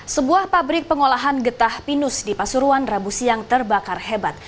sebuah pabrik pengolahan getah pinus di pasuruan rabu siang terbakar hebat